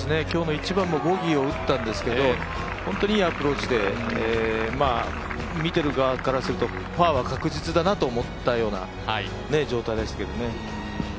今日も１番はボギーを打ったんですけど本当にいいアプローチで見ている側からするとパーは確実だなと思ったような状態ですけどね。